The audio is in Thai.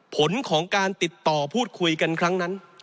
ผลของการติดต่อพูดคุยกันครั้งนั้น